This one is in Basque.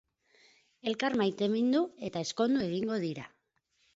Elkar maitemindu eta ezkondu egingo dira.